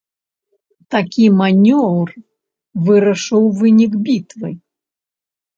Такі манеўр вырашыў вынік бітвы.